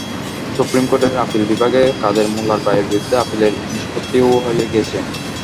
Supreme কোর্টের appeal বিভাগে কাদের মোল্লার রায়ের বিরুদ্ধে আপিলের নিষ্পত্তিও হয়ে গেছে।